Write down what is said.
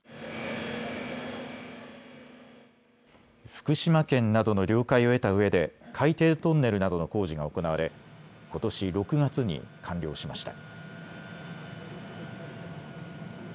福島県などの了解を得たうえで海底トンネルなどの工事が行われことし６月に完了しました。